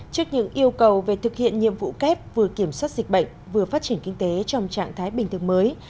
trước những yêu cầu về thực hiện nhiệm vụ kép vừa kiểm soát dịch bệnh vừa phát triển kinh tế trong trạng thái bình thường mới